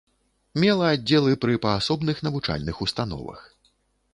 Мела аддзелы пры паасобных навучальных установах.